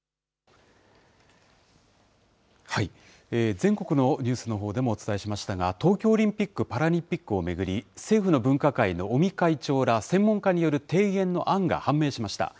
全国のニュースのほうでもお伝えしましたが、東京オリンピック・パラリンピックを巡り、政府の分科会の尾身会長ら専門家による提言の案が判明しました。